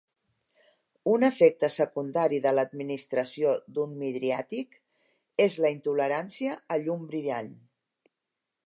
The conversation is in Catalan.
Un efecte secundari de l'administració d'un midriàtic és la intolerància a llum brillant.